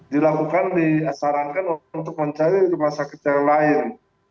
dilakukan disarankan untuk mencari rumah sakit yang lain